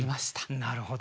なるほど。